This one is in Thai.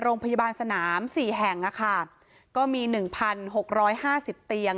โรงพยาบาลสนามสี่แห่งอ่ะค่ะก็มีหนึ่งพันหกร้อยห้าสิบเตียง